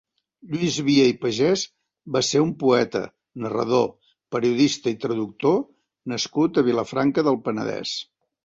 Lluís Via i Pagès va ser un poeta, narrador, periodista i traductor nascut a Vilafranca del Penedès.